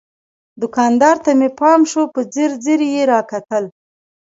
دوکاندار ته مې پام شو، په ځیر ځیر یې را کتل.